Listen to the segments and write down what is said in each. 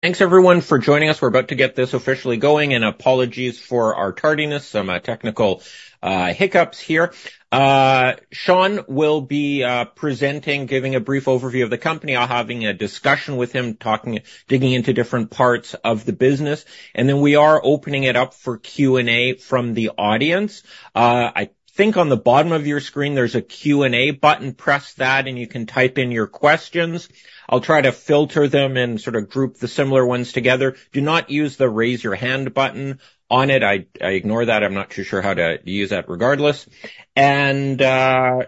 Thanks everyone for joining us. We're about to get this officially going, and apologies for our tardiness. Some technical hiccups here. Sean Krakiwsky will be presenting, giving a brief overview of the company. I'll having a discussion with him, talking, digging into different parts of the business, and then we are opening it up for Q&A from the audience. I think on the bottom of your screen there's a Q&A button. Press that, and you can type in your questions. I'll try to filter them and sort of group the similar ones together. Do not use the Raise Your Hand button on it. I ignore that. I'm not too sure how to use that regardless. Yeah,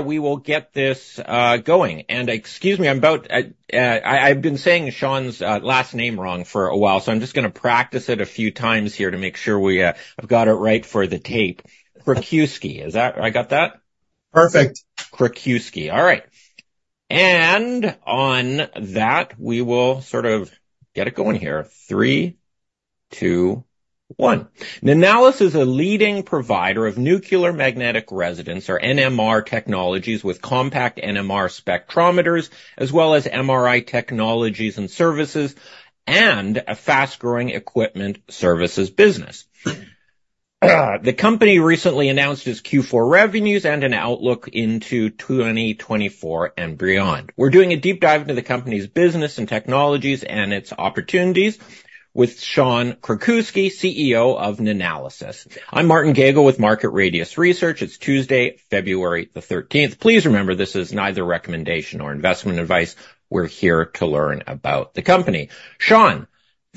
we will get this going. Excuse me, I'm about... I've been saying Sean's last name wrong for a while, so I'm just going to practice it a few times here to make sure we, I've got it right for the tape. Krakiwsky, is that? I got that? Perfect. Krakiwsky. All right. On that, we will sort of get it going here. Three, two, one. Nanalysis is a leading provider of nuclear magnetic resonance, or NMR technologies with compact NMR spectrometers, as well as MRI technologies and services, and a fast-growing equipment services business. The company recently announced its Q4 revenues and an outlook into 2024 and beyond. We're doing a deep dive into the company's business and technologies and its opportunities with Sean Krakiwsky, CEO of Nanalysis. I'm Martin Gagel with Market Radius Research. It's Tuesday, February 13th. Please remember, this is neither recommendation nor investment advice. We're here to learn about the company. Sean,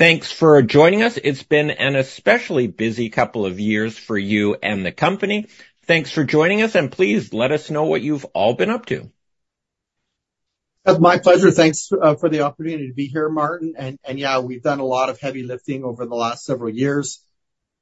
thanks for joining us. It's been an especially busy couple of years for you and the company. Thanks for joining us, and please let us know what you've all been up to. It's my pleasure. Thanks for the opportunity to be here, Martin. Yeah, we've done a lot of heavy lifting over the last several years.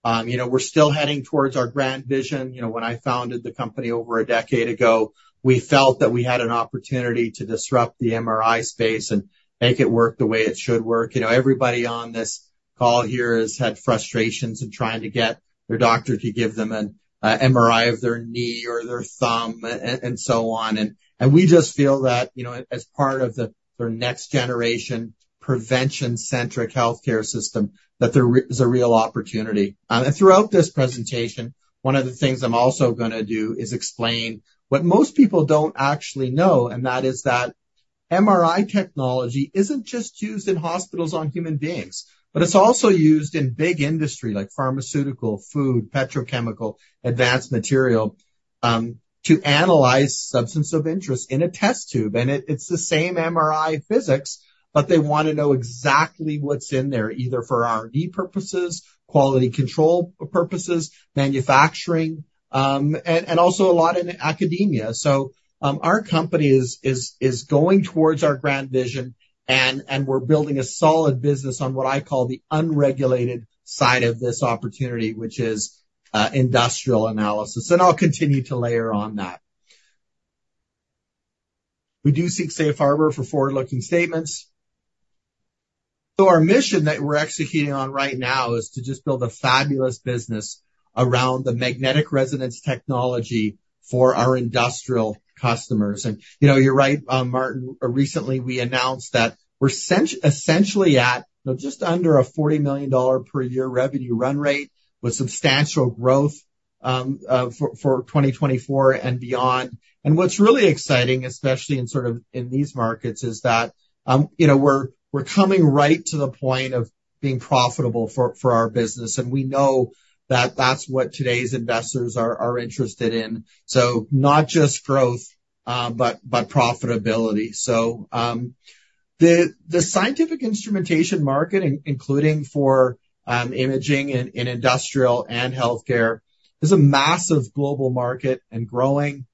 You know, we're still heading towards our grand vision. You know, when I founded the company over a decade ago, we felt that we had an opportunity to disrupt the MRI space and make it work the way it should work. You know, everybody on this call here has had frustrations in trying to get their doctor to give them an MRI of their knee or their thumb and so on. We just feel that, you know, as part of the next generation prevention-centric healthcare system, that there is a real opportunity. Throughout this presentation, one of the things I'm also going to do is explain what most people don't actually know, and that is that MRI technology isn't just used in hospitals on human beings, but it's also used in big industry like pharmaceutical, food, petrochemical, advanced material, to analyze substance of interest in a test tube. It's the same MRI physics, but they want to know exactly what's in there, either for R&D purposes, quality control purposes, manufacturing, and also a lot in academia. Our company is going towards our grand vision and we're building a solid business on what I call the unregulated side of this opportunity, which is industrial analysis. I will continue to layer on that. We do seek safe harbor for forward-looking statements. Our mission that we're executing on right now is to just build a fabulous business around the magnetic resonance technology for our industrial customers. You know, you're right, Martin, recently we announced that we're essentially at, you know, just under a 40 million dollar per year revenue run rate with substantial growth for 2024 and beyond. What's really exciting, especially in sort of in these markets, is that, you know, we're coming right to the point of being profitable for our business, and we know that that's what today's investors are interested in. Not just growth, but profitability. The scientific instrumentation market including for imaging in industrial and healthcare is a massive global market and growing.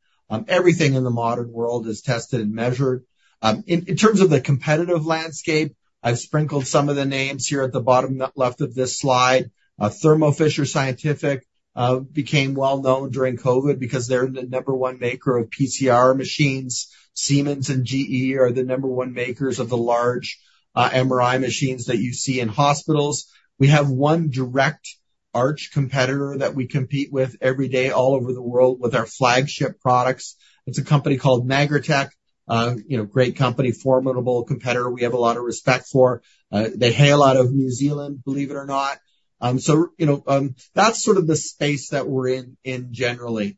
Everything in the modern world is tested and measured. In, in terms of the competitive landscape, I've sprinkled some of the names here at the bottom left of this slide. Thermo Fisher Scientific became well known during COVID because they're the number one maker of PCR machines. Siemens and GE are the number one makers of the large MRI machines that you see in hospitals. We have one direct arch competitor that we compete with every day all over the world with our flagship products. It's a company called Magritek. You know, great company, formidable competitor we have a lot of respect for. They hail out of New Zealand, believe it or not. You know, that's sort of the space that we're in generally.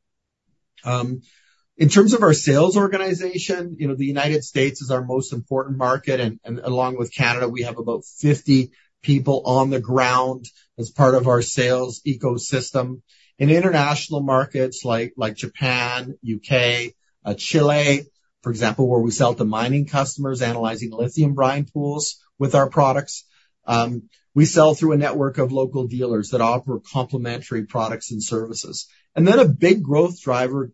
In terms of our sales organization, you know, the United States is our most important market, and along with Canada, we have about 50 people on the ground as part of our sales ecosystem. In international markets like Japan, U.K., Chile, for example, where we sell to mining customers analyzing lithium brine pools with our products, we sell through a network of local dealers that offer complementary products and services. A big growth driver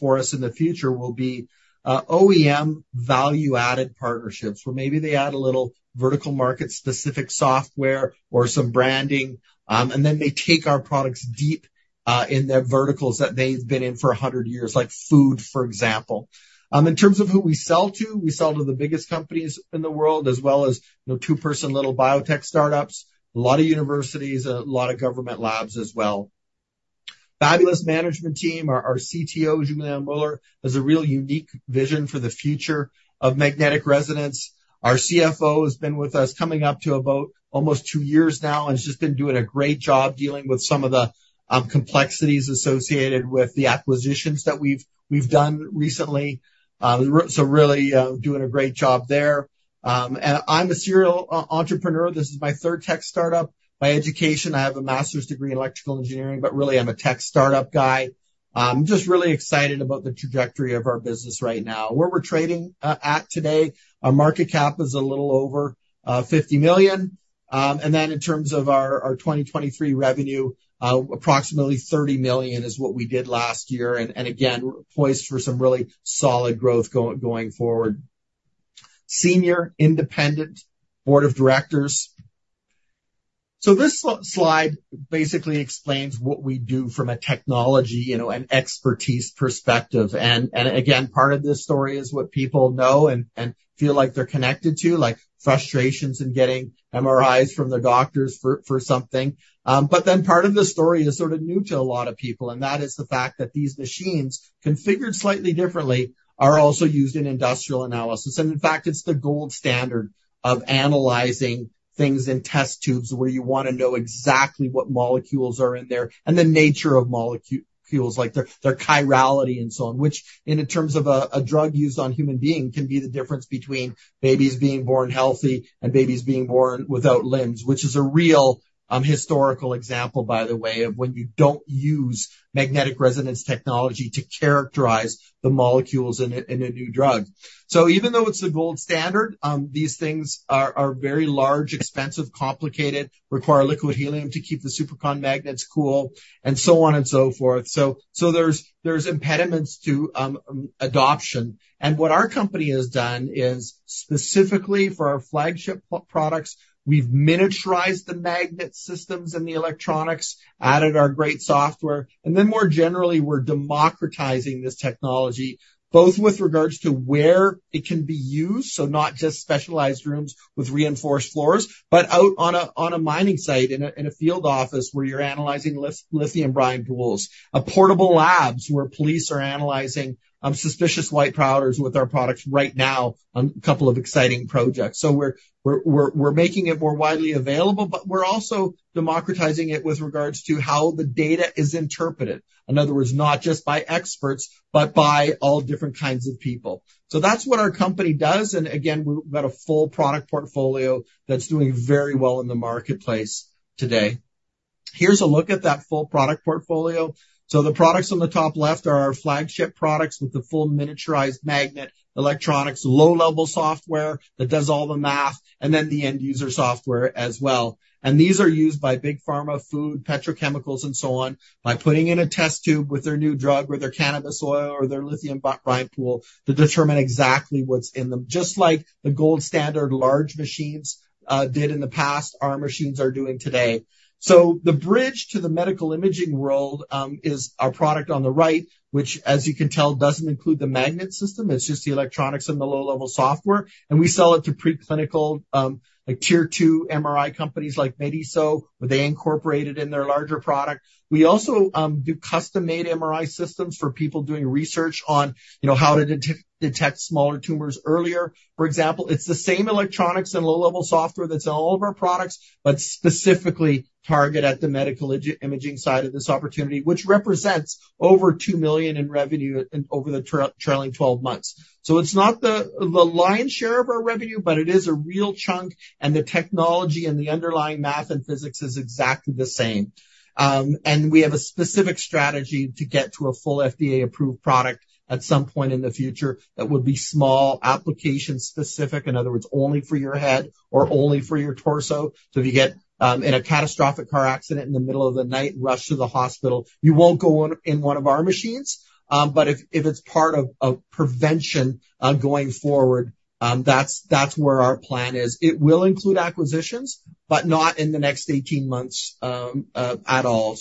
for us in the future will be OEM value-added partnerships, where maybe they add a little vertical market-specific software or some branding, and then they take our products deep in their verticals that they've been in for 100 years, like food, for example. In terms of who we sell to, we sell to the biggest companies in the world, as well as, you know, two-person little biotech startups, a lot of universities, a lot of government labs as well. Fabulous management team. Our Chief Technology Officer, Julien Muller, has a real unique vision for the future of Magnetic Resonance. Our CFO has been with us coming up to about almost two years now and has just been doing a great job dealing with some of the complexities associated with the acquisitions that we've done recently. Really doing a great job there. I'm a serial e-entrepreneur. This is my third tech startup. By education, I have a master's degree in electrical engineering, really, I'm a tech startup guy. I'm just really excited about the trajectory of our business right now. Where we're trading at today, our market cap is a little over 50 million. In terms of our 2023 revenue, approximately 30 million is what we did last year, and again, poised for some really solid growth going forward. Senior independent board of directors. This slide basically explains what we do from a technology, you know, and expertise perspective. Again, part of this story is what people know and feel like they're connected to, like frustrations in getting MRIs from their doctors for something. Part of the story is sort of new to a lot of people, and that is the fact that these machines, configured slightly differently, are also used in industrial analysis. In fact, it's the gold standard of analyzing things in test tubes where you want to know exactly what molecules are in there and the nature of molecules, like their chirality and so on, which in terms of a drug used on human beings can be the difference between babies being born healthy and babies being born without limbs, which is a real historical example, by the way, of when you don't use magnetic resonance technology to characterize the molecules in a new drug. Even though it's the gold standard, these things are very large, expensive, complicated, require liquid helium to keep the Supercon magnets cool, and so on and so forth. There are impediments to adoption. What our company has done is, specifically for our flagship products, we've miniaturized the magnet systems and the electronics, added our great software, more generally, we're democratizing this technology, both with regards to where it can be used, so not just specialized rooms with reinforced floors, but out on a mining site in a field office where you're analyzing lithium brine pools. Portable labs where police are analyzing suspicious white powders with our products right now on a couple of exciting projects. We're making it more widely available, but we're also democratizing it with regards to how the data is interpreted. In other words, not just by experts, but by all different kinds of people. That's what our company does, again, we've got a full product portfolio that's doing very well in the marketplace today. Here's a look at that full product portfolio. The products on the top left are our flagship products with the full miniaturized magnet, electronics, low-level software that does all the math, and then the end user software as well. These are used by big pharma, food, petrochemicals, and so on by putting in a test tube with their new drug or their cannabis oil or their lithium brine pool to determine exactly what's in them. Just like the gold standard large machines did in the past, our machines are doing today. The bridge to the medical imaging world is our product on the right, which as you can tell, doesn't include the magnet system. It's just the electronics and the low-level software. We sell it to pre-clinical, like tier two MRI companies like Mediso, where they incorporate it in their larger product. We also do custom-made MRI systems for people doing research on, you know, how to detect smaller tumors earlier. For example, it's the same electronics and low-level software that's in all of our products, but specifically target at the medical imaging side of this opportunity, which represents over 2 million in revenue over the trailing twelve months. It's not the lion's share of our revenue, but it is a real chunk, and the technology and the underlying math and physics is exactly the same. And we have a specific strategy to get to a full FDA-approved product at some point in the future that will be small, application-specific, in other words, only for your head or only for your torso. If you get in a catastrophic car accident in the middle of the night and rushed to the hospital, you won't go on in one of our machines. If, if it's part of prevention, going forward, that's where our plan is. It will include acquisitions, but not in the next 18 months at all.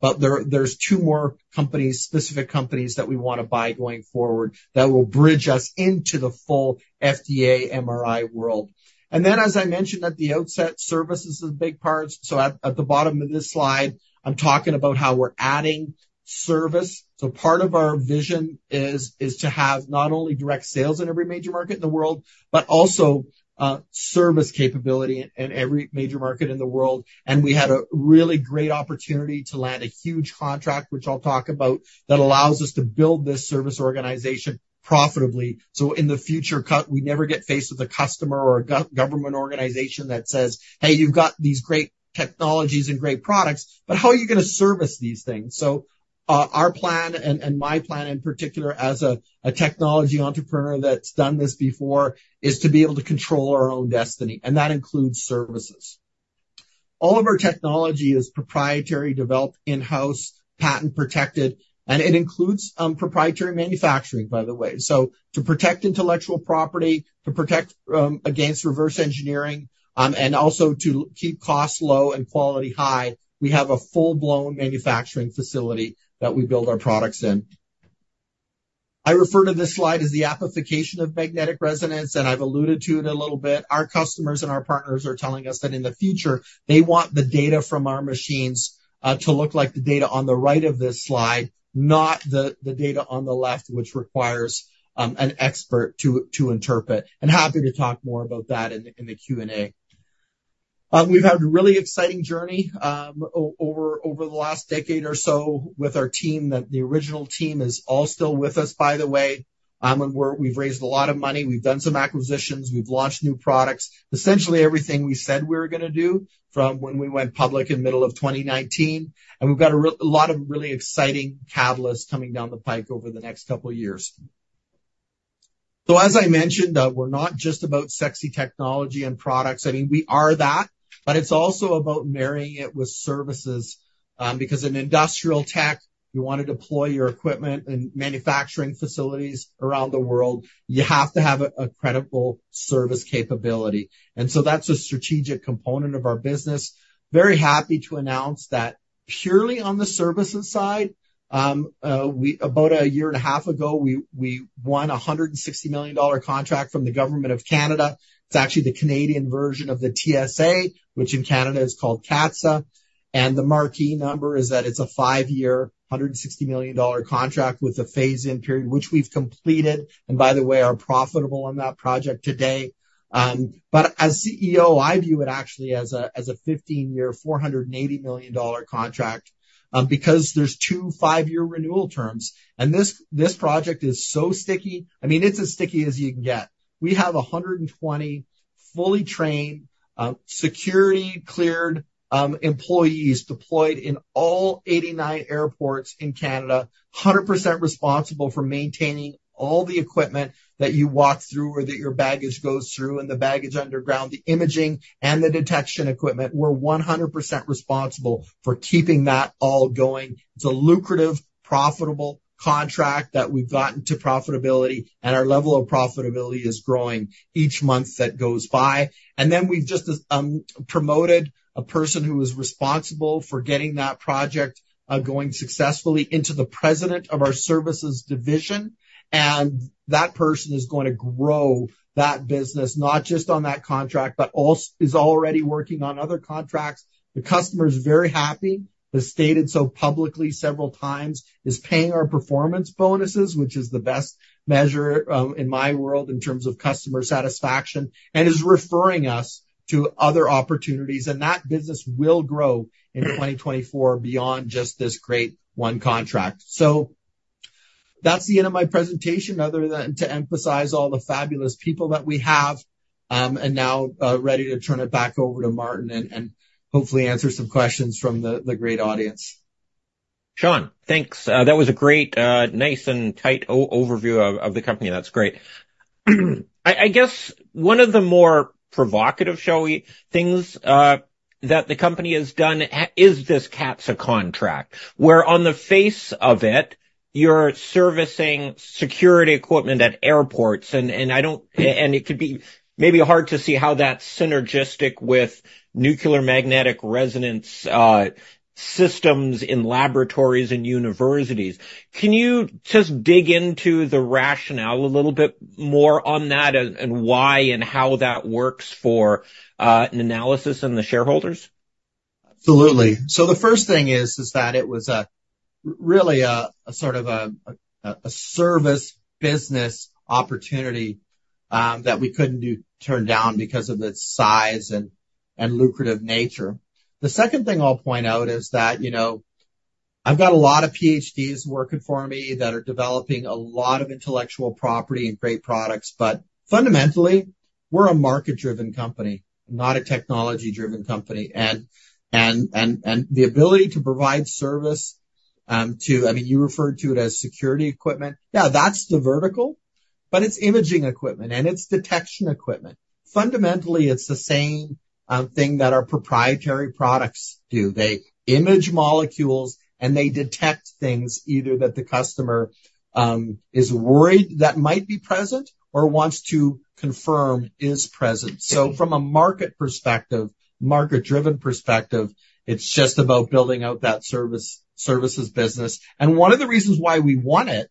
There are two more companies, specific companies that we want to buy going forward that will bridge us into the full FDA MRI world. As I mentioned at the outset, services is a big part. At, at the bottom of this slide, I'm talking about how we're adding service. Part of our vision is to have not only direct sales in every major market in the world, but also, service capability in every major market in the world. We had a really great opportunity to land a huge contract, which I'll talk about, that allows us to build this service organization profitably. In the future we never get faced with a customer or a go-government organization that says, "Hey, you've got these great technologies and great products, but how are you going to service these things?" Our plan and my plan, in particular, as a technology entrepreneur that's done this before, is to be able to control our own destiny, and that includes services. All of our technology is proprietary, developed in-house, patent protected, and it includes proprietary manufacturing, by the way. To protect intellectual property, to protect against reverse engineering, and also to keep costs low and quality high, we have a full-blown manufacturing facility that we build our products in. I refer to this slide as the amplification of magnetic resonance, and I've alluded to it a little bit. Our customers and our partners are telling us that in the future, they want the data from our machines to look like the data on the right of this slide, not the data on the left, which requires an expert to interpret. Happy to talk more about that in the Q&A. We've had a really exciting journey over the last decade or so with our team. The original team is all still with us, by the way. We've raised a lot of money. We've done some acquisitions. We've launched new products. Essentially everything we said we were going to do from when we went public in middle of 2019. We've got a lot of really exciting catalysts coming down the pike over the next couple years. As I mentioned, we're not just about sexy technology and products. I mean, we are that, but it's also about marrying it with services. Because in industrial tech, you want to deploy your equipment in manufacturing facilities around the world, you have to have a credible service capability. That's a strategic component of our business. Very happy to announce that purely on the services side, about a year and a half ago, we won a 160 million dollar contract from the Government of Canada. It's actually the Canadian version of the TSA, which in Canada is called CATSA. The marquee number is that it's a five-year, 160 million dollar contract with a phase-in period, which we've completed, and by the way, are profitable on that project today. But as CEO, I view it actually as a 15-year, 480 million dollar contract, because there's two five-year renewal terms. This, this project is so sticky. I mean, it's as sticky as you can get. We have 120 fully trained, security-cleared, employees deployed in all 89 airports in Canada, 100% responsible for maintaining all the equipment that you walk through or that your baggage goes through in the baggage underground, the imaging and the detection equipment. We're 100% responsible for keeping that all going. It's a lucrative, profitable contract that we've gotten to profitability, and our level of profitability is growing each month that goes by. We've just promoted a person who is responsible for getting that project going successfully into the president of our services division, and that person is going to grow that business, not just on that contract, but is already working on other contracts. The customer's very happy, has stated so publicly several times, is paying our performance bonuses, which is the best measure in my world in terms of customer satisfaction, and is referring us to other opportunities, and that business will grow in 2024 beyond just this great one contract. That's the end of my presentation other than to emphasize all the fabulous people that we have, and now, ready to turn it back over to Martin and hopefully answer some questions from the great audience. Sean, thanks. That was a great, nice and tight overview of the company. That's great. I guess one of the more provocative, shall we, things that the company has done is this CATSA contract, where on the face of it, you're servicing security equipment at airports and I don't know, and it could be maybe hard to see how that's synergistic with nuclear magnetic resonance systems in laboratories and universities. Can you just dig into the rationale a little bit more on that and why and how that works for Nanalysis and the shareholders? Absolutely. The first thing is that it was really a sort of a service business opportunity that we couldn't turn down because of its size and lucrative nature. The second thing I'll point out is that, you know, I've got a lot of PhDs working for me that are developing a lot of intellectual property and great products, but fundamentally, we're a market-driven company, not a technology-driven company. The ability to provide service to, I mean, you referred to it as security equipment. Yeah, that's the vertical, but it's imaging equipment and it's detection equipment. Fundamentally, it's the same thing that our proprietary products do. They image molecules, and they detect things either that the customer is worried that might be present or wants to confirm is present. From a market perspective, market-driven perspective, it's just about building out that service, services business. One of the reasons why we won it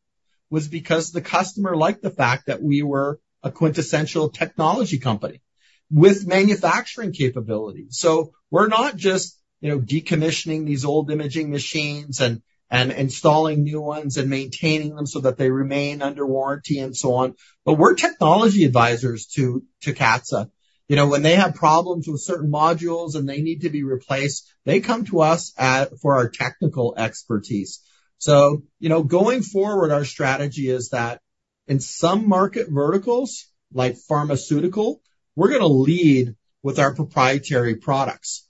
was because the customer liked the fact that we were a quintessential technology company with manufacturing capabilities. We're not just, you know, decommissioning these old imaging machines and installing new ones and maintaining them so that they remain under warranty and so on, but we're technology advisors to CATSA. You know, when they have problems with certain modules, and they need to be replaced, they come to us for our technical expertise. You know, going forward, our strategy is that in some market verticals, like pharmaceutical, we're going to lead with our proprietary products.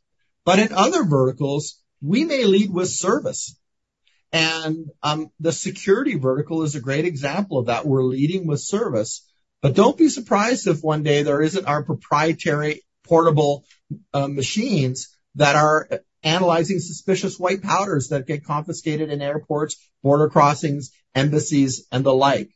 In other verticals, we may lead with service. The security vertical is a great example of that. We're leading with service. Don't be surprised if one day there isn't our proprietary portable machines that are analyzing suspicious white powders that get confiscated in airports, border crossings, embassies, and the like.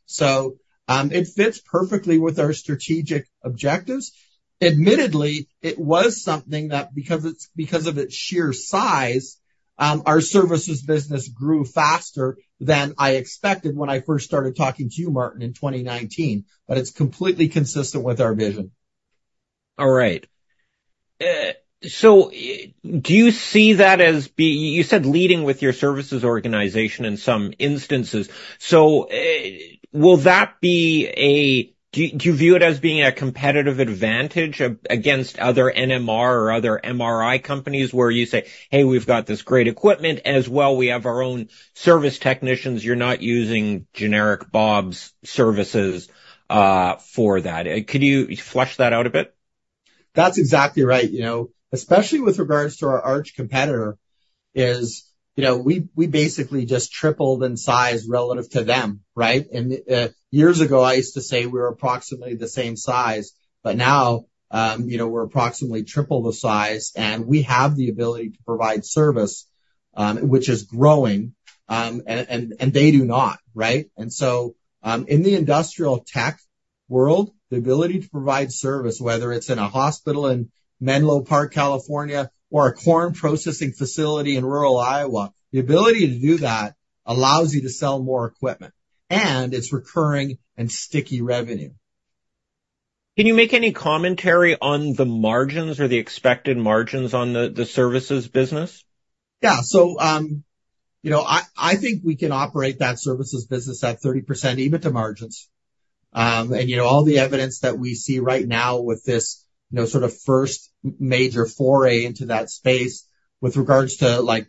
It fits perfectly with our strategic objectives. Admittedly, it was something that because of its sheer size, our services business grew faster than I expected when I first started talking to you, Martin, in 2019, but it's completely consistent with our vision. All right. Do you see that as being? You said leading with your services organization in some instances. Will that be a competitive advantage against other NMR or other MRI companies where you say, "Hey, we've got this great equipment. As well we have our own service technicians." You're not using generic Bob's services for that. Could you flesh that out a bit? That's exactly right. You know, especially with regards to our arch competitor is, you know, we basically just tripled in size relative to them, right? Years ago, I used to say we were approximately the same size. Now, you know, we're approximately triple the size, and we have the ability to provide service, which is growing, and they do not, right? In the industrial tech world, the ability to provide service, whether it's in a hospital in Menlo Park, California, or a corn processing facility in rural Iowa, the ability to do that allows you to sell more equipment, and it's recurring and sticky revenue. Can you make any commentary on the margins or the expected margins on the services business? Yeah. You know, I think we can operate that services business at 30% EBITDA margins. You know, all the evidence that we see right now with this, you know, sort of first major foray into that space with regards to like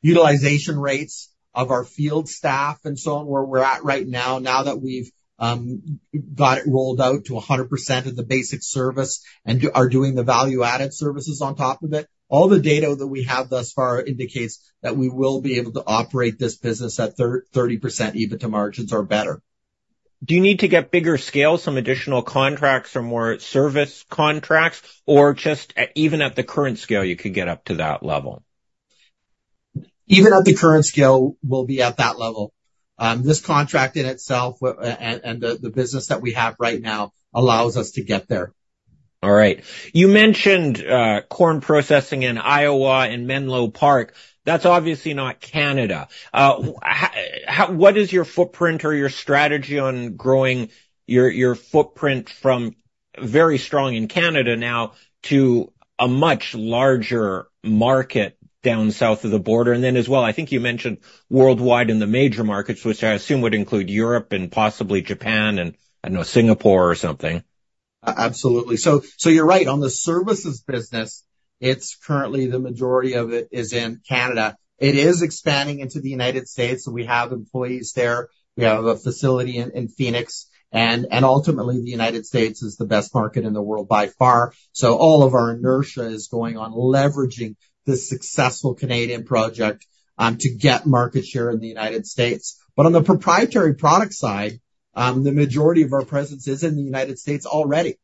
utilization rates of our field staff and so on, where we're at right now that we've got it rolled out to 100% of the basic service and are doing the value-added services on top of it, all the data that we have thus far indicates that we will be able to operate this business at 30% EBITDA margins or better. Do you need to get bigger scale, some additional contracts or more service contracts, or just even at the current scale, you can get up to that level? Even at the current scale, we'll be at that level. This contract in itself and the business that we have right now allows us to get there. All right. You mentioned corn processing in Iowa and Menlo Park. That's obviously not Canada. What is your footprint or your strategy on growing your footprint from very strong in Canada now to a much larger market down south of the border? As well, I think you mentioned worldwide in the major markets, which I assume would include Europe and possibly Japan and, I don't know, Singapore or something. Absolutely. You're right. On the services business, it's currently the majority of it is in Canada. It is expanding into the United States, we have employees there. We have a facility in Phoenix, ultimately, the United States is the best market in the world by far. All of our inertia is going on leveraging this successful Canadian project to get market share in the United States. On the proprietary product side, the majority of our presence is in the United States already.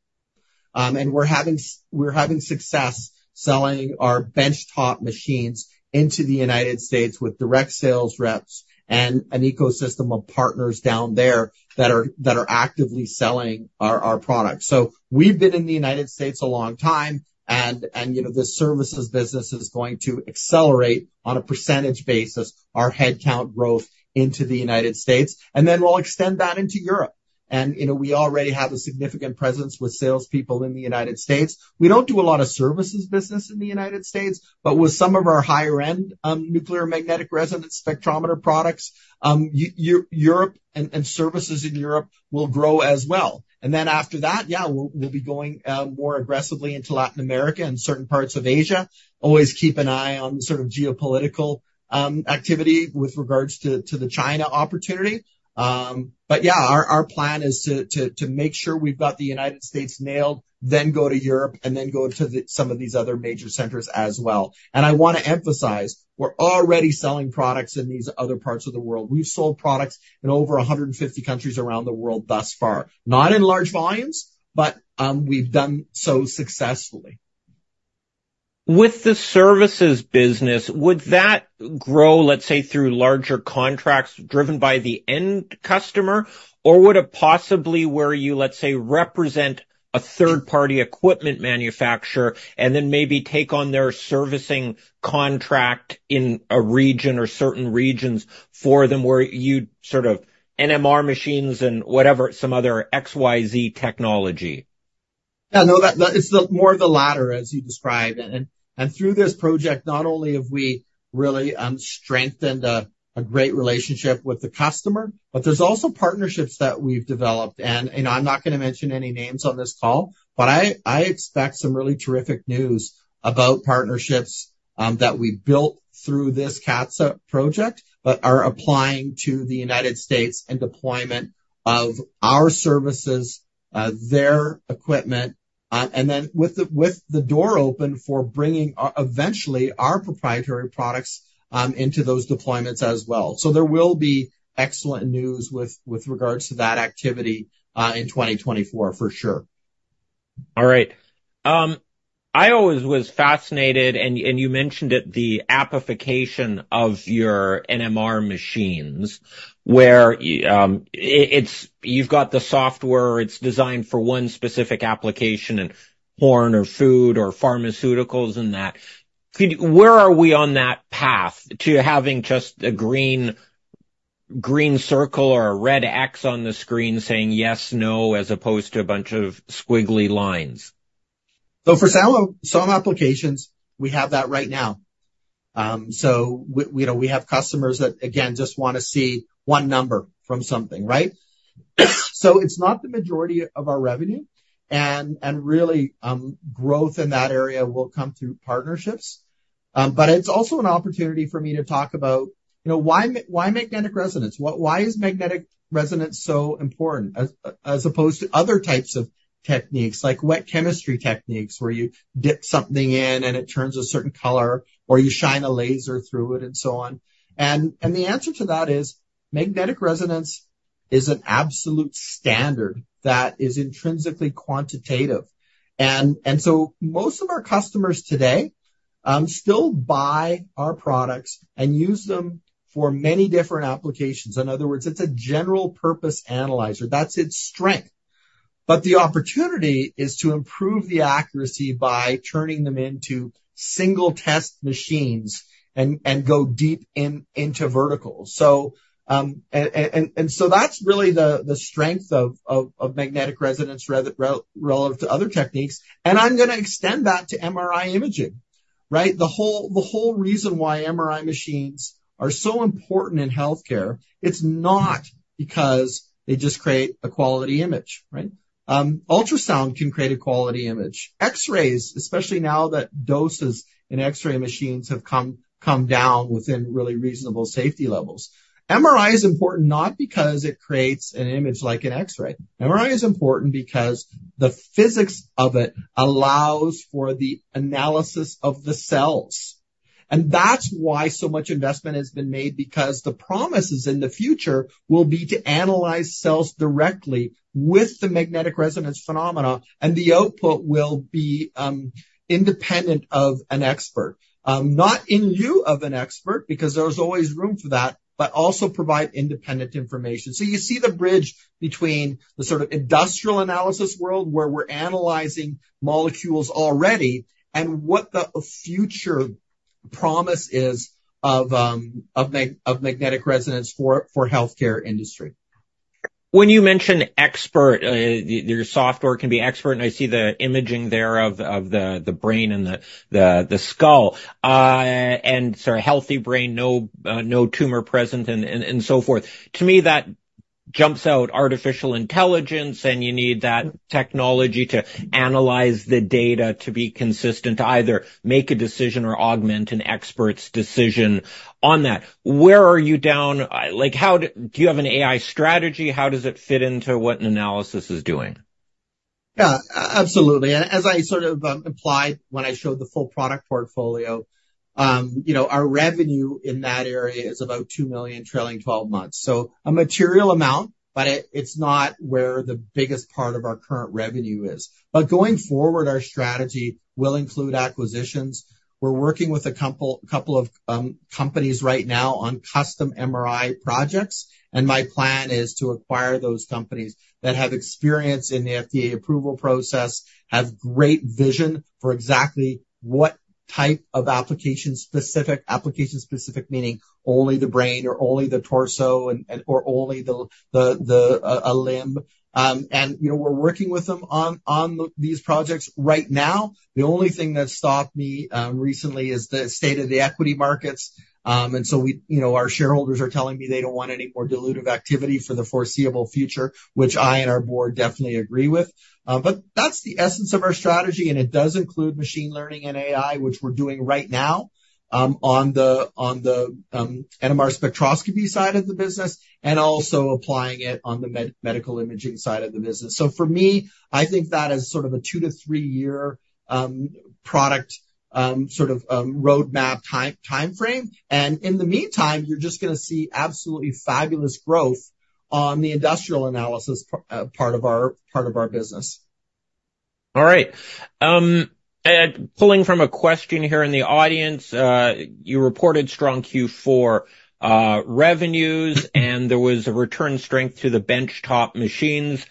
We're having success selling our benchtop machines into the United States with direct sales reps and an ecosystem of partners down there that are actively selling our products. We've been in the United States a long time and, you know, the services business is going to accelerate on a percentage basis our headcount growth into the United States. Then we'll extend that into Europe. You know, we already have a significant presence with salespeople in the United States. We don't do a lot of services business in the United States, but with some of our higher-end, nuclear magnetic resonance spectrometer products, Europe and services in Europe will grow as well. Then after that, yeah, we'll be going more aggressively into Latin America and certain parts of Asia. Always keep an eye on sort of geopolitical activity with regards to the China opportunity. Yeah, our plan is to make sure we've got the United States nailed, then go to Europe, then go to some of these other major centers as well. I want to emphasize; we're already selling products in these other parts of the world. We've sold products in over 150 countries around the world thus far. Not in large volumes, but we've done so successfully. With the services business, would that grow, let's say, through larger contracts driven by the end customer? Or would it possibly where you, let's say, represent a third-party equipment manufacturer and then maybe take on their servicing contract in a region or certain regions for them, where you'd sort of NMR machines and whatever, some other XYZ technology? Yeah, no, that is more of the latter as you described. Through this project, not only have we really strengthened a great relationship with the customer, but there's also partnerships that we've developed. You know, I'm not going to mention any names on this call, but I expect some really terrific news about partnerships that we built through this CATSA project but are applying to the U.S. and deployment of our services, their equipment, and then with the door open for bringing eventually our proprietary products into those deployments as well. There will be excellent news with regards to that activity in 2024 for sure. All right. I always was fascinated, and you mentioned it, the amplification of your NMR machines, where you've got the software. It's designed for one specific application in corn or food or pharmaceuticals and that. Where are we on that path to having just a green circle or a red X on the screen saying yes, no, as opposed to a bunch of squiggly lines? For some applications, we have that right now. We, you know, we have customers that, again, just want to see one number from something, right? It's not the majority of our revenue and really, growth in that area will come through partnerships. It's also an opportunity for me to talk about, you know, why magnetic resonance? Why is magnetic resonance so important as opposed to other types of techniques like wet chemistry techniques where you dip something in and it turns a certain color, or you shine a laser through it and so on. The answer to that is magnetic resonance is an absolute standard that is intrinsically quantitative. Most of our customers today still buy our products and use them for many different applications. In other words, it's a general-purpose analyzer. That's its strength. The opportunity is to improve the accuracy by turning them into single test machines and go deep into verticals. That's really the strength of magnetic resonance relative to other techniques. I'm going to extend that to MRI imaging, right? The whole reason why MRI machines are so important in healthcare, it's not because they just create a quality image, right? Ultrasound can create a quality image. X-rays, especially now that doses in X-ray machines have come down within really reasonable safety levels. MRI is important not because it creates an image like an X-ray. MRI is important because the physics of it allows for the analysis of the cells. That's why so much investment has been made because the promises in the future will be to analyze cells directly with the magnetic resonance phenomena, and the output will be independent of an expert, not in lieu of an expert because there's always room for that but also provide independent information. You see the bridge between the sort of industrial analysis world where we're analyzing molecules already and what the future promise is of magnetic resonance for healthcare industry. When you mention expert, your software can be expert. I see the imaging there of the brain and the skull, so a healthy brain, no tumor present and so forth. To me, that jumps out artificial intelligence. You need that technology to analyze the data to be consistent, to either make a decision or augment an expert's decision on that. Where are you down? Like, do you have an AI strategy? How does it fit into what Nanalysis is doing? Absolutely. As I sort of implied when I showed the full product portfolio, you know, our revenue in that area is about 2 million trailing 12 months. A material amount, but it's not where the biggest part of our current revenue is. Going forward, our strategy will include acquisitions. We're working with a couple of companies right now on custom MRI projects, and my plan is to acquire those companies that have experience in the FDA approval process, have great vision for exactly what type of application-specific, application-specific meaning only the brain or only the torso and or only the limb. You know, we're working with them on these projects right now. The only thing that stopped me recently is the state of the equity markets. You know, our shareholders are telling me they don't want any more dilutive activity for the foreseeable future, which I and our board definitely agree with. That's the essence of our strategy, and it does include machine learning and AI, which we're doing right now, on the NMR spectroscopy side of the business and also applying it on the medical imaging side of the business. For me, I think that is sort of a two-to-three-year product sort of roadmap timeframe. In the meantime, you're just going to see absolutely fabulous growth on the industrial analysis part of our business. All right. Pulling from a question here in the audience, you reported strong Q4 revenues, and there was a return strength to the benchtop machines.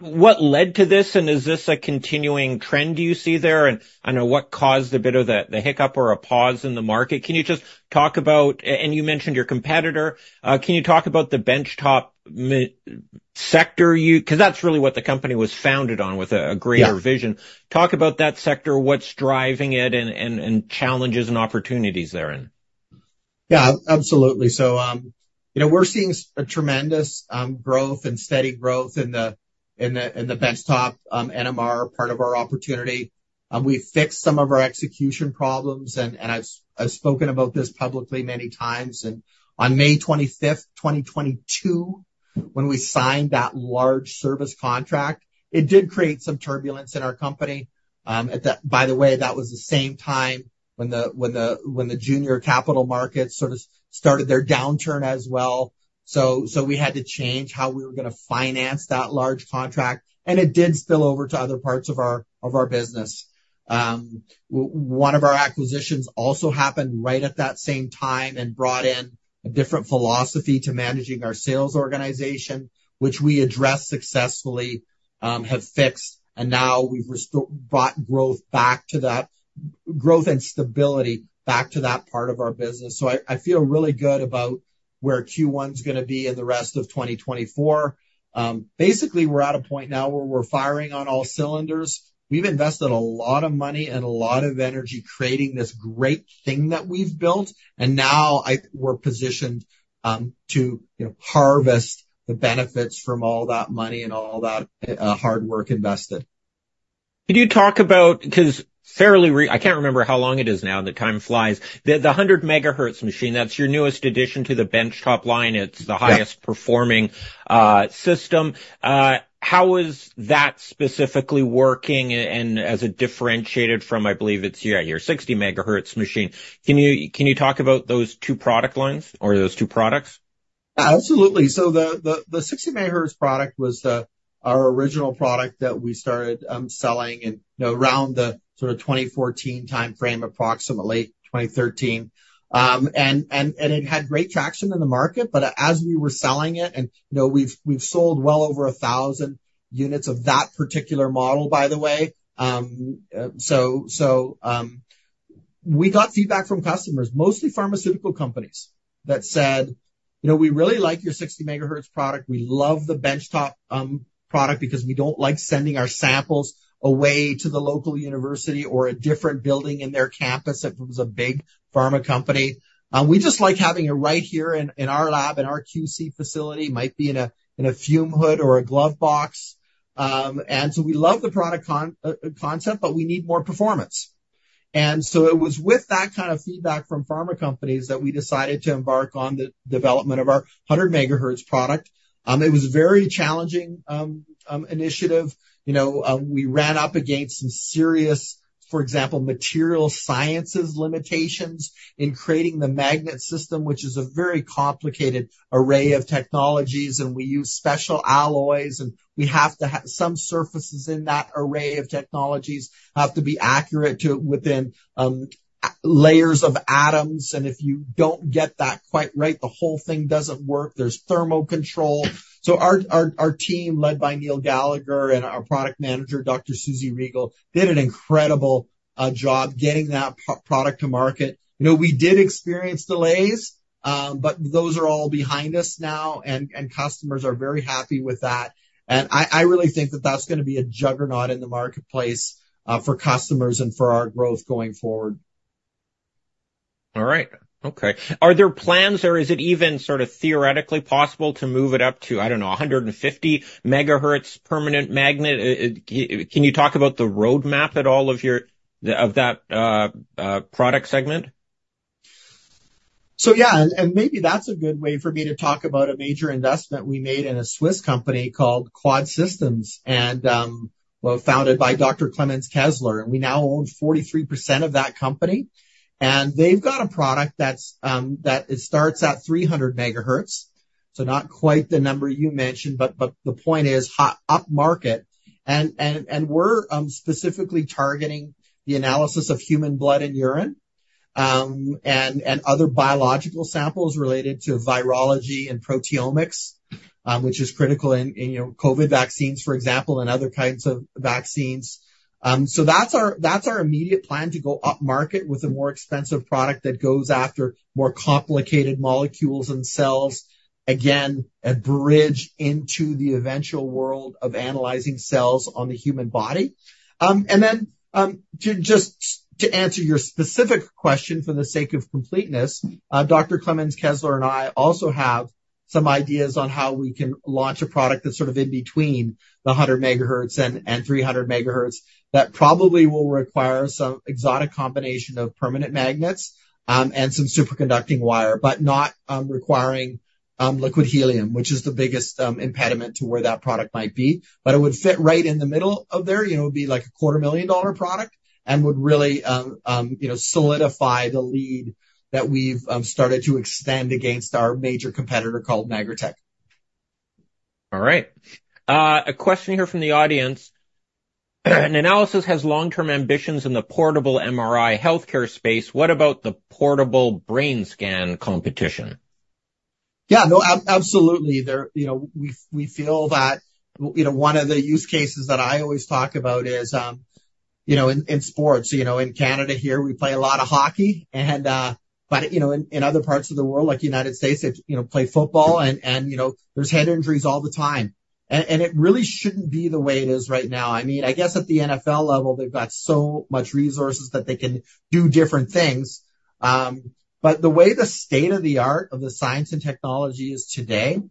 What led to this, and is this a continuing trend you see there? I don't know, what caused a bit of the hiccup or a pause in the market? You mentioned your competitor. Can you talk about the benchtop sector? Because that's really what the company was founded on with a greater vision. Talk about that sector, what's driving it and challenges and opportunities therein. Yeah, absolutely. You know, we're seeing a tremendous growth and steady growth in the benchtop NMR part of our opportunity. We fixed some of our execution problems, and I've spoken about this publicly many times. On May 25th, 2022, when we signed that large service contract, it did create some turbulence in our company. By the way, that was the same time when the junior capital markets sort of started their downturn as well. We had to change how we were going to finance that large contract, and it did spill over to other parts of our business. One of our acquisitions also happened right at that same time and brought in a different philosophy to managing our sales organization, which we addressed successfully, have fixed, and now we've brought growth back to that, growth and stability back to that part of our business. I feel really good about where Q1's going to be and the rest of 2024. Basically, we're at a point now where we're firing on all cylinders. We've invested a lot of money and a lot of energy creating this great thing that we've built, and now we're positioned, to, you know, harvest the benefits from all that money and all that hard work invested. Can you talk about because I can't remember how long it is now. The time flies. The 100-megahertz machine, that's your newest addition to the benchtop line. It's the highest performing system. How is that specifically working and has it differentiated from, I believe it's, yeah, your 60 MHz machine? Can you talk about those two product lines or those two products? Absolutely. The 60 MHz product was the, our original product that we started selling in, you know, around the sort of 2014 timeframe, approximately 2013. It had great traction in the market. As we were selling it, and, you know, we've sold well over 1,000 units of that particular model, by the way. We got feedback from customers, mostly pharmaceutical companies, that said, "You know, we really like your 60 MHz product. We love the benchtop product because we don't like sending our samples away to the local university or a different building in their campus if it was a big pharma company. We just like having it right here in our lab, in our QC facility. Might be in a, in a fume hood or a glove box. We love the product concept, but we need more performance. It was with that kind of feedback from pharma companies that we decided to embark on the development of our 100 MHz product. It was a very challenging initiative. You know, we ran up against some serious, for example, material sciences limitations in creating the magnet system, which is a very complicated array of technologies, and we use special alloys, and we have to some surfaces in that array of technologies have to be accurate to within layers of atoms. If you don't get that quite right, the whole thing doesn't work. There's thermal control. Our team, led by Neal Gallagher and our product manager, Dr. Susanne Riegel, did an incredible job getting that product to market. You know, we did experience delays, but those are all behind us now, and customers are very happy with that. I really think that's going to be a juggernaut in the marketplace, for customers and for our growth going forward. All right. Okay. Are there plans or is it even sort of theoretically possible to move it up to, I don't know, 150 megahertz permanent magnet? Can you talk about the roadmap at all of your, of that product segment? Yeah, maybe that's a good way for me to talk about a major investment we made in a Swiss company called QUAD Systems AG, well, founded by Dr. Klemens Kessler. We now own 43% of that company. They've got a product that's that it starts at 300 MHz, so not quite the number you mentioned, but the point is upmarket. We're specifically targeting the analysis of human blood and urine, and other biological samples related to virology and proteomics, which is critical in, you know, COVID vaccines, for example, and other kinds of vaccines. That's our immediate plan to go upmarket with a more expensive product that goes after more complicated molecules and cells. Again, a bridge into the eventual world of analyzing cells on the human body. To answer your specific question for the sake of completeness, Dr. Klemens Kessler and I also have some ideas on how we can launch a product that's sort of in between the 100 MHz and 300 MHz that probably will require some exotic combination of permanent magnets and some superconducting wire, but not requiring liquid helium, which is the biggest impediment to where that product might be. It would fit right in the middle of there. You know, it would be like a quarter million-dollar product and would really, you know, solidify the lead that we've started to extend against our major competitor called Magritek. All right. A question here from the audience. "Nanalysis has long-term ambitions in the portable MRI healthcare space. What about the portable brain scan competition? Yeah, no, absolutely. There, you know, we feel that, you know, one of the use cases that I always talk about is, you know, in sports. You know, in Canada here, we play a lot of hockey and, but, you know, in other parts of the world, like U.S., they, you know, play football and, you know, there's head injuries all the time. It really shouldn't be the way it is right now. I mean, I guess at the NFL level, they've got so much resources that they can do different things. The way the state-of-the-art of the science and technology is today,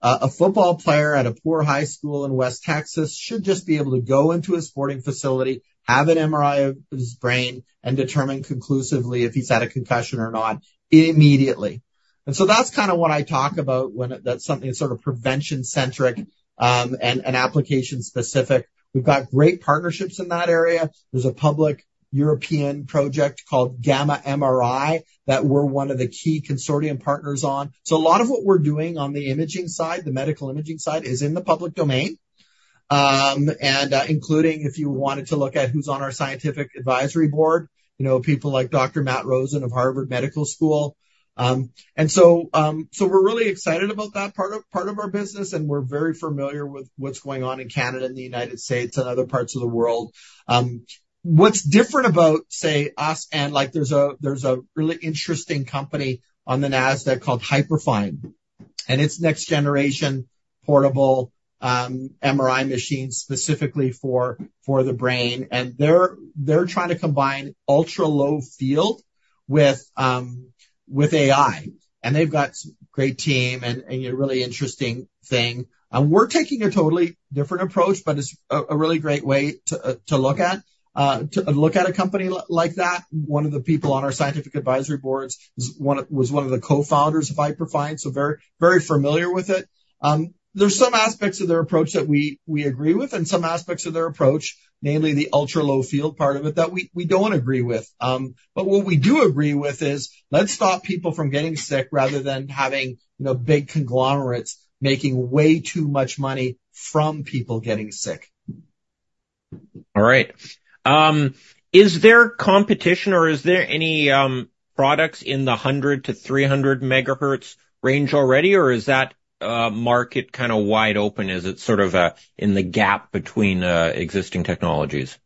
a football player at a poor high school in West Texas should just be able to go into a sporting facility, have an MRI of his brain, and determine conclusively if he's had a concussion or not immediately. That's kind of what I talk about when that's something that's sort of prevention-centric, and application-specific. We've got great partnerships in that area. There's a public European project called Gamma-MRI that we're one of the key consortium partners on. A lot of what we're doing on the imaging side, the medical imaging side, is in the public domain. Including if you wanted to look at who's on our scientific advisory board, you know, people like Dr. Matthew Rosen of Harvard Medical School. We're really excited about that part of our business, and we're very familiar with what's going on in Canada and the U.S. and other parts of the world. What's different about, say, us and there's a really interesting company on the Nasdaq called Hyperfine, and it's next generation portable MRI machines specifically for the brain. They're trying to combine ultra-low field with AI, and they've got great team and a really interesting thing. We're taking a totally different approach, but it's a really great way to look at a company like that. One of the people on our scientific advisory boards is one of the co-founders of Hyperfine, so very familiar with it. There's some aspects of their approach that we agree with, and some aspects of their approach, namely the ultra-low field part of it, that we don't agree with. What we do agree with is let's stop people from getting sick rather than having, you know, big conglomerates making way too much money from people getting sick. All right. Is there competition or is there any products in the 100 to 300 megahertz range already, or is that market kind of wide open? Is it sort of in the gap between existing technologies?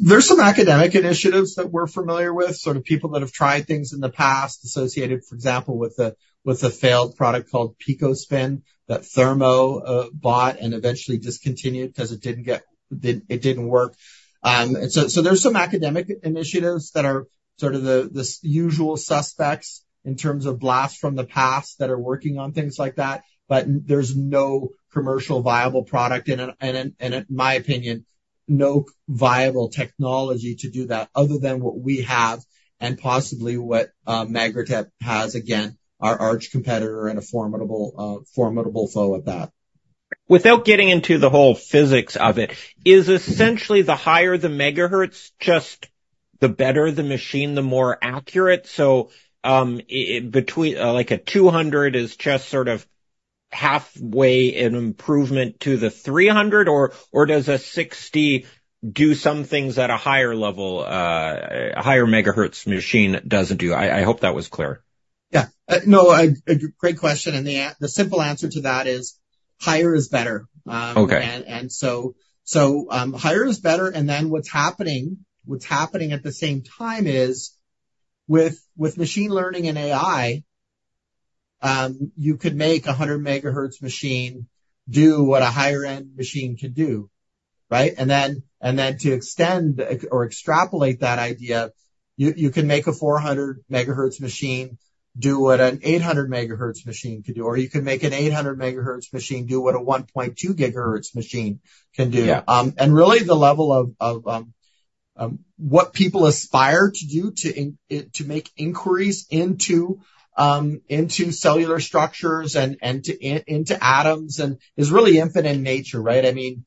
There's some academic initiatives that we're familiar with, sort of people that have tried things in the past associated, for example, with a, with a failed product called picoSpin that Thermo bought and eventually discontinued because it didn't work. There's some academic initiatives that are sort of the usual suspects in terms of blasts from the past that are working on things like that, but there's no commercial viable product and in my opinion, no viable technology to do that other than what we have and possibly what Magritek has, again, our arch competitor and a formidable foe at that. Without getting into the whole physics of it, is essentially the higher the megahertz just the better the machine, the more accurate? Between, like a 200 is just sort of halfway an improvement to the 300, or does a 60 do some things at a higher level, a higher megahertz machine doesn't do? I hope that was clear. Yeah. No, a great question. The simple answer to that is higher is better. Okay Higher is better. What's happening at the same time is with machine learning and AI, you could make a 100 megahertz machine do what a higher end machine can do, right? To extend or extrapolate that idea, you can make a 400 megahertz machine do what an 800 megahertz machine can do, or you can make an 800 megahertz machine do what a 1.2 gigahertz machine can do. Yeah. The level of what people aspire to do to make inquiries into cellular structures and into atoms and is really infinite in nature, right? I mean,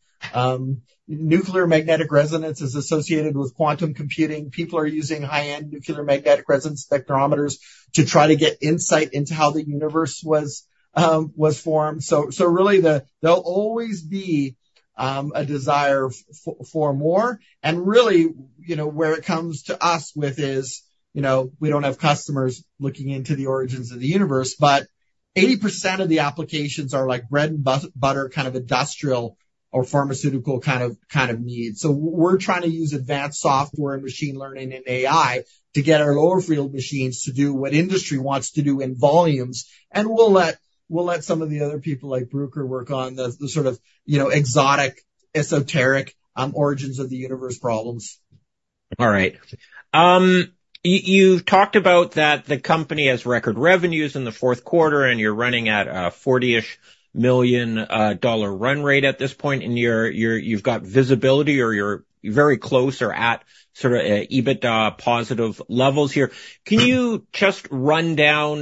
Nuclear Magnetic Resonance is associated with quantum computing. People are using high-end Nuclear Magnetic Resonance spectrometers to try to get insight into how the universe was formed. Really there'll always be a desire for more. Really, you know, where it comes to us with is, you know, we don't have customers looking into the origins of the universe, but 80% of the applications are like bread and butter, kind of industrial or pharmaceutical kind of needs. We're trying to use advanced software and machine learning and AI to get our lower field machines to do what industry wants to do in volumes, and we'll let some of the other people like Bruker work on the sort of, you know, exotic, esoteric, origins of the universe problems. All right. You've talked about that the company has record revenues in the Q4, and you're running at a 40-ish million dollar run rate at this point, and you've got visibility, or you're very close or at sort of EBITDA positive levels here. Can you just run down,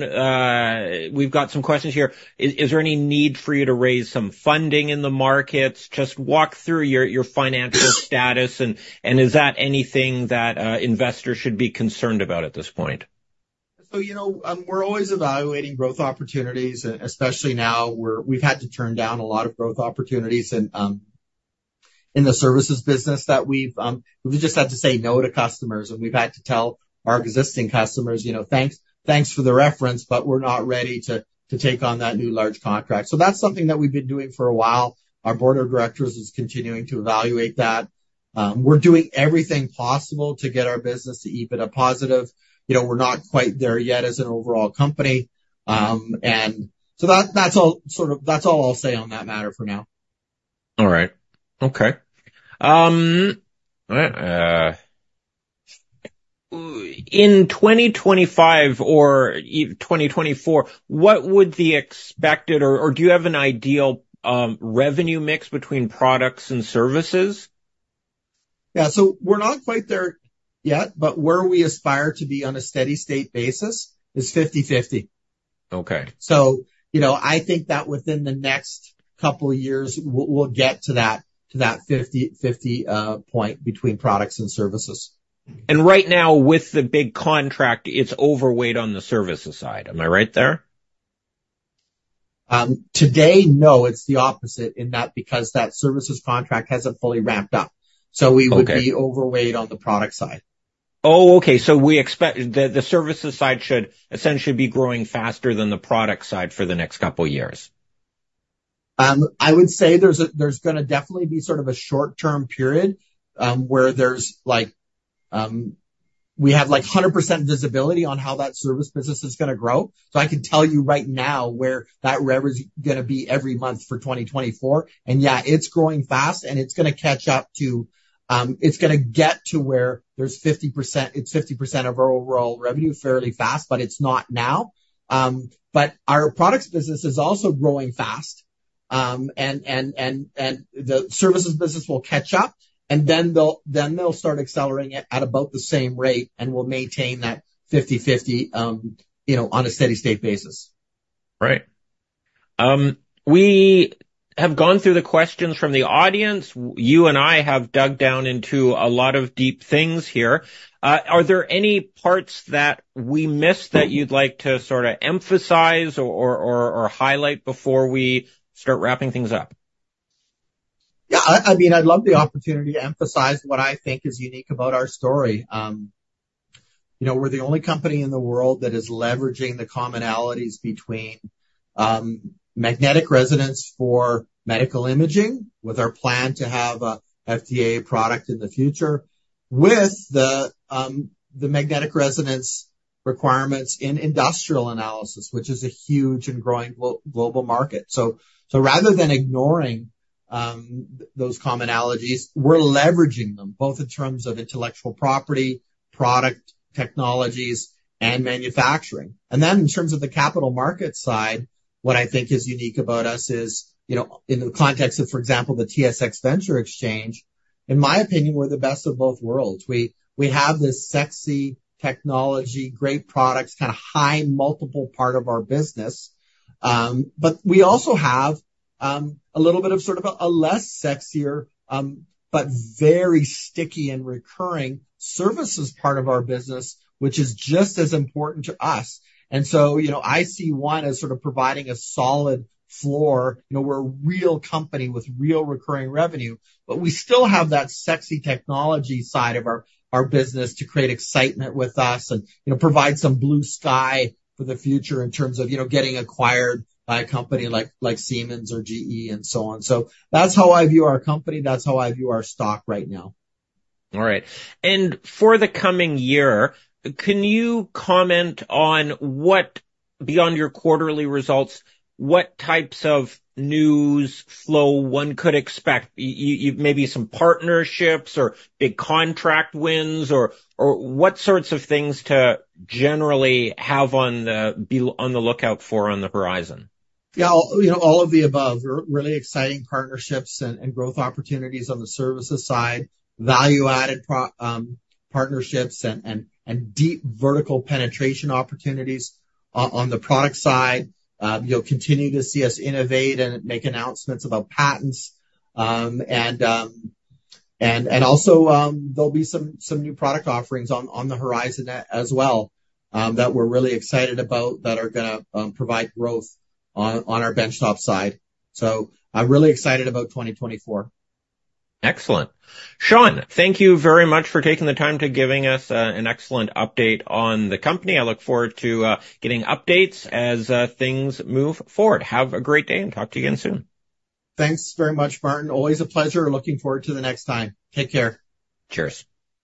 we've got some questions here. Is there any need for you to raise some funding in the markets? Just walk through your financial status and is that anything that investors should be concerned about at this point? You know, we're always evaluating growth opportunities, especially now where we've had to turn down a lot of growth opportunities in the services business that we've just had to say no to customers, and we've had to tell our existing customers, you know, "Thanks. Thanks for the reference, but we're not ready to take on that new large contract." That's something that we've been doing for a while. Our board of directors is continuing to evaluate that. We're doing everything possible to get our business to EBITDA positive. You know, we're not quite there yet as an overall company. That's all I'll say on that matter for now. All right. Okay. In 2025 or even 2024, what would the expected or do you have an ideal revenue mix between products and services? Yeah. We're not quite there yet, but where we aspire to be on a steady state basis is 50/50. Okay. You know, I think that within the next couple of years, we'll get to that 50/50 point between products and services. Right now with the big contract, it's overweight on the services side. Am I right there? Today, no, it's the opposite in that because that services contract hasn't fully ramped up. Okay. We would be over-weighed on the product side. Oh, okay. We expect the services side should essentially be growing faster than the product side for the next couple years? I would say there's going to definitely be sort of a short-term period, where there's like, we have like 100% visibility on how that service business is going to grow. I can tell you right now where that revenue's going to be every month for 2024, and yeah, it's growing fast and it's going to catch up to, it's going to get to where there's 50%, it's 50% of our overall revenue fairly fast, but it's not now. Our products business is also growing fast. The services business will catch up, and then they'll start accelerating it at about the same rate and will maintain that 50/50, you know, on a steady state basis. Right. We have gone through the questions from the audience. You and I have dug down into a lot of deep things here. Are there any parts that we missed that you'd like to sort of emphasize or highlight before we start wrapping things up? Yeah. I mean, I'd love the opportunity to emphasize what I think is unique about our story. You know, we're the only company in the world that is leveraging the commonalities between magnetic resonance for medical imaging with our plan to have a FDA product in the future, with the magnetic resonance requirements in industrial analysis, which is a huge and growing global market. Rather than ignoring those commonalities, we're leveraging them, both in terms of intellectual property, product technologies, and manufacturing. In terms of the capital market side, what I think is unique about us is, you know, in the context of, for example, the TSX Venture Exchange, in my opinion, we're the best of both worlds. We have this sexy technology, great products, kind of high multiple part of our business. But we also have a little bit of sort of a less sexier, but very sticky and recurring services part of our business which is just as important to us. You know, I see one as sort of providing a solid floor. You know, we're a real company with real recurring revenue, but we still have that sexy technology side of our business to create excitement with us and, you know, provide some blue sky for the future in terms of, you know, getting acquired by a company like Siemens or GE and so on. That's how I view our company, that's how I view our stock right now. All right. For the coming year, can you comment on what, beyond your quarterly results, what types of news flow one could expect? You, maybe some partnerships or big contract wins or what sorts of things to generally be on the lookout for on the horizon? Yeah. You know, all of the above. Really exciting partnerships and growth opportunities on the services side. Value-added partnerships and deep vertical penetration opportunities on the product side. You'll continue to see us innovate and make announcements about patents. And also, there'll be some new product offerings on the horizon as well that we're really excited about that are going to provide growth on our benchtop side. I'm really excited about 2024. Excellent. Sean, thank you very much for taking the time to giving us an excellent update on the company. I look forward to getting updates as things move forward. Have a great day, and talk to you again soon. Thanks very much, Martin. Always a pleasure. Looking forward to the next time. Take care. Cheers.